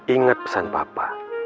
ingat pesan papa